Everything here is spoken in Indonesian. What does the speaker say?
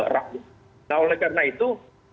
rakyat nah oleh karena itu